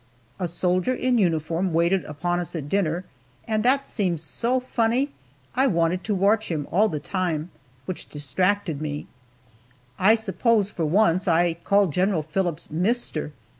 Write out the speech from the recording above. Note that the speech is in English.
A soldier in uniform waited upon us at dinner, and that seemed so funny. I wanted to watch him all the time, which distracted me, I suppose, for once I called General Phillips "Mister!"